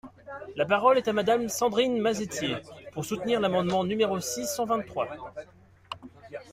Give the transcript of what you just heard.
La parole est à Madame Sandrine Mazetier, pour soutenir l’amendement numéro six cent vingt-trois.